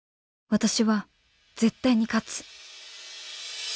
私は絶対に勝つ。